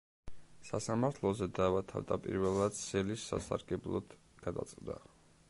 სასამართლოზე დავა თავდაპირველად სელის სასარგებლოდ გადაწყდა.